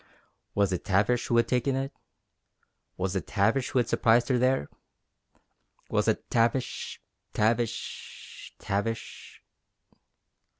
Was it Tavish who had taken it? Was it Tavish who had surprised her there? Was it Tavish Tavish Tavish....?